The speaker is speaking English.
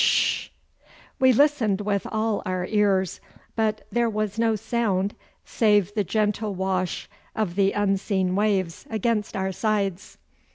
'Sh!' We listened with all our ears, but there was no sound, save the gentle wash of the unseen waves against our sides.